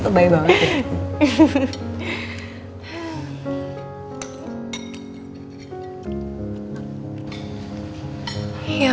kebay banget ya